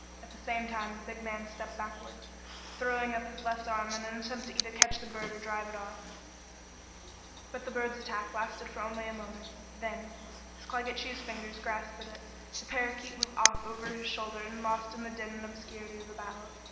At the same time the big man stepped backward, throwing up his left arm in an attempt either to catch the bird or drive it off. But the bird's attack lasted for only a moment. Then, as Claggett Chew's fingers grasped at it, the parakeet was off over his shoulder and lost in the din and obscurity of the battle.